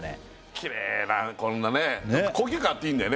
きれいなこんなね高級感あっていいんだよね